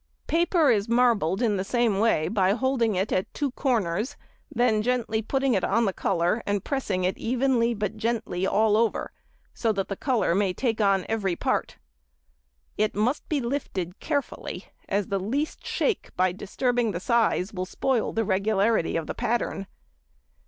Paper is marbled in the same way by holding it at two corners; then gently putting it on the colour and pressing it evenly, but gently all over, so that the colour may take on every part. It must be lifted carefully, as the least shake by disturbing the size will spoil the regularity of the pattern.